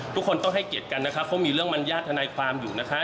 ทุกคนต้องให้เกียรติกันนะคะเขามีเรื่องมัญญาติธนาความอยู่นะคะ